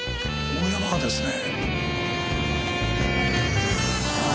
大山がですね。